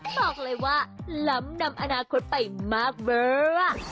บอกเลยว่าล้ำนำอนาคตไปมากเบอร์